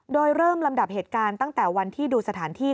โดยเริ่มลำดับเหตุการณ์ตั้งแต่วันที่ดูสถานที่